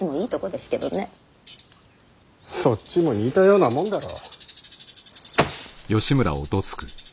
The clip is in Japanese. そっちも似たようなもんだろ。